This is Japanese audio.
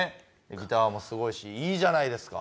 ギターもすごいしいいじゃないですか。